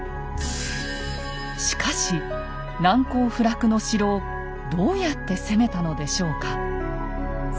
しかし難攻不落の城をどうやって攻めたのでしょうか。